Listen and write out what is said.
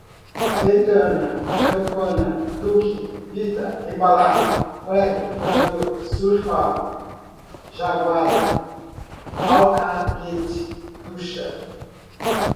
ventana, campana, duque, bita, embalar, prego, furador, surfar, jaguara, alcaguete, ducha